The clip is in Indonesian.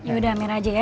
yaudah merah aja ya